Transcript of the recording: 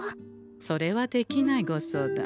それはできないご相談。